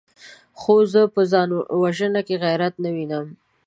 خو زه په ځان وژنه کې غيرت نه وينم!